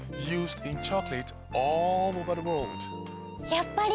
やっぱり！